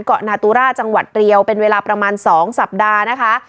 เกาะนาตุร่าจังหวัดเรียวเป็นเวลาประมาณ๒สัปดาห์นะคะ